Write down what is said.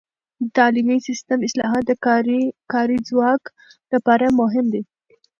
د تعلیمي سیستم اصلاحات د کاري ځواک لپاره مهم دي.